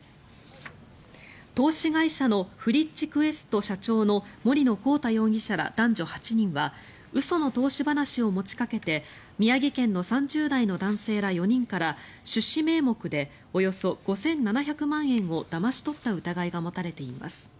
投資会社のフリッチクエスト社長の森野広太容疑者ら男女８人は嘘の投資話を持ちかけて宮城県の３０代の男性ら４人から出資名目でおよそ５７００万円をだまし取った疑いが持たれています。